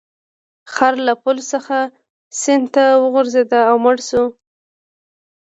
خر له پل څخه سیند ته وغورځید او مړ شو.